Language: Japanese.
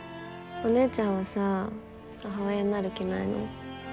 お姉ちゃんはさ母親になる気ないの？